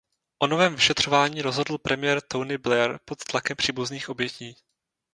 O novém vyšetřování rozhodl premiér Tony Blair pod tlakem příbuzných obětí.